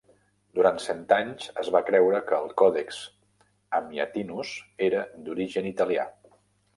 Durant cent anys es va creure que el Codex Amiatinus era d'origen italià.